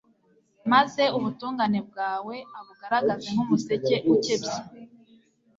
maze ubutungane bwawe abugaragaze nk’umuseke ukebye